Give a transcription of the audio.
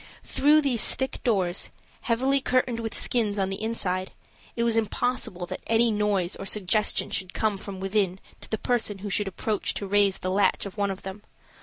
Through these thick doors, heavily curtained with skins on the inside, it was impossible that any noise or suggestion should come from within to the person who should approach to raise the latch of one of them.